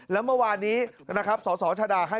แล้วเมื่อวานนี้นะครับสสชดาให้